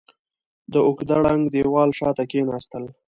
د اوږده ړنګ دېوال شاته کېناستل.